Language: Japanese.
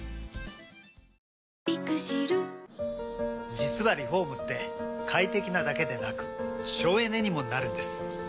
実はリフォームって快適なだけでなく省エネにもなるんです。